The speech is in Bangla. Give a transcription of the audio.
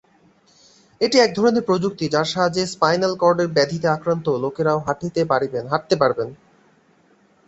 এটি একধরনের প্রযুক্তি, যার সাহাযে্য স্পাইনাল কর্ডের ব্যাধিতে আক্রান্ত লোকেরাও হাঁটতে পারবেন।